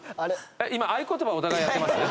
今合言葉お互いやってます？